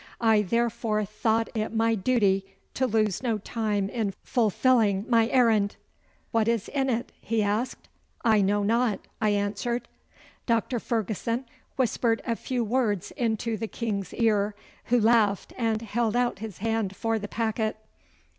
I therefore thought it my duty to lose no time in fulfilling my errand.' 'What is in it?' he asked. 'I know not,' I answered. Doctor Ferguson whispered a few words into the King's ear, who laughed and held out his hand for the packet.